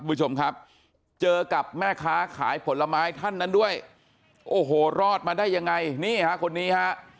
คุณผู้ชมครับเจอกับแม่ค้าขายผลไม้ท่านนั้นด้วยโอ้โหรอดมาได้ยังไงนี่ฮะคนนี้ฮะ